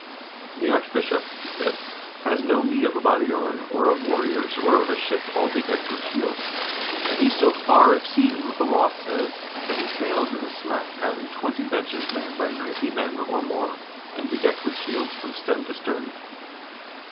"The archbishop," he said, "has no need of a bodyguard, or of warriors, or of a ship all bedecked with shields ; and he so far exceeds what the law says, that he sails in a smack having twenty benches manned by ninety men, or more, and bedecked with shields from stem to stern.